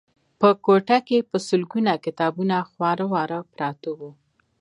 په کوټه کې په سلګونه کتابونه خواره واره پراته وو